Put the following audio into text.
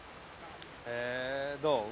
・へえどう？